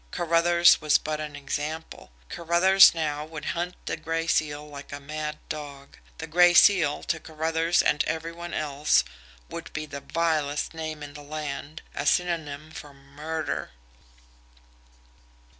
Carruthers was but an example. Carruthers now would hunt the Gray Seal like a mad dog. The Gray Seal, to Carruthers and every one else, would be the vilest name in the land a synonym for murder.